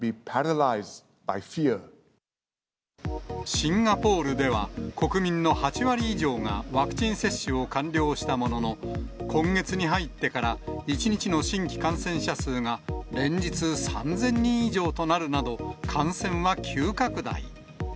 シンガポールでは、国民の８割以上がワクチン接種を完了したものの、今月に入ってから１日の新規感染者数が連日３０００人以上となるなど、感染は急拡大。